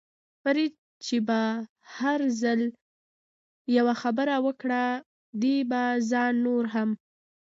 فرید چې به هر ځل یوه خبره وکړه، دې به ځان نور هم.